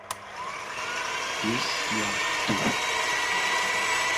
Desi a to.